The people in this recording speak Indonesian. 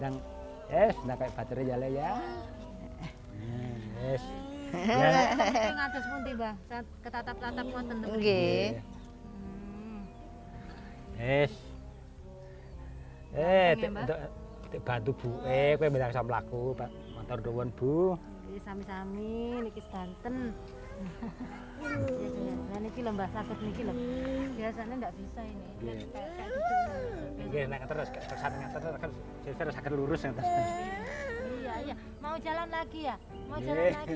dan es nabrak baterai ya ya hai eh eh eh eh eh eh eh eh eh eh eh eh eh eh eh eh eh eh eh eh